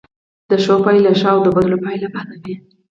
د ښو پایله ښه او د بدو پایله بده وي.